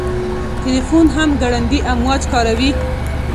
تلیفون هم ګړندي امواج کاروي.